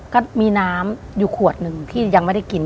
ก็มีน้ำอยู่ขวดหนึ่งที่ยังไม่ได้กิน